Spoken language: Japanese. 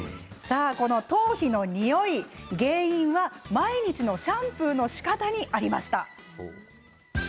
頭皮のにおい原因は毎日のシャンプーのしかたにありました。